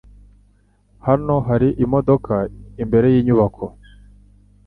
Hano hari imodoka imbere yinyubako.